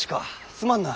すまんな。